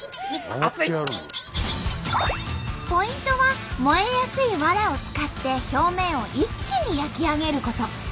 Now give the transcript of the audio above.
ポイントは燃えやすいわらを使って表面を一気に焼き上げること。